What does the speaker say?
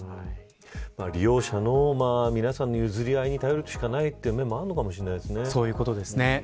利用者の皆さんの譲り合いに頼るしかないという面もそういうことですね。